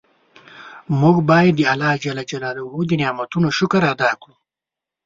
مونږ باید د الله ج د نعمتونو شکر ادا کړو.